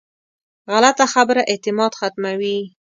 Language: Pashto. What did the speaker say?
غلطه خبره اعتماد ختموي